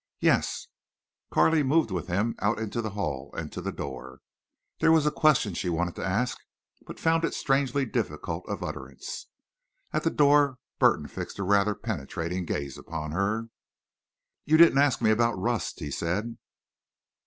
"Yes." Carley moved with him out into the hall and to the door. There was a question she wanted to ask, but found it strangely difficult of utterance. At the door Burton fixed a rather penetrating gaze upon her. "You didn't ask me about Rust," he said.